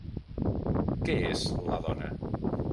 Què és la dona?